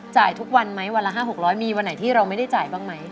ทุกวันไหมวันละ๕๖๐๐มีวันไหนที่เราไม่ได้จ่ายบ้างไหม